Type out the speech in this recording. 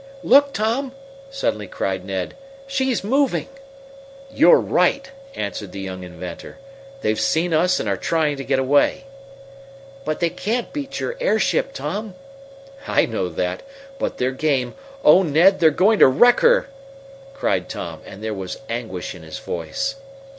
"Look, Tom!" suddenly cried Ned. "She's moving!" "You're right!" answered the young inventor. "They've seen us and are trying to get away." "But they can't beat your airship, Tom." "I know that. But their game Oh, Ned, they're going to wreck her!" cried Tom, and there was anguish in his voice.